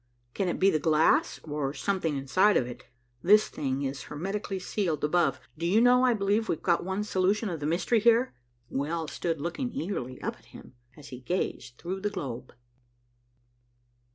Can it be the glass, or something inside of it? This thing is hermetically sealed above. Do you know, I believe we've got one solution of the mystery here." We all stood looking eagerly up at him, as he gazed through the globe.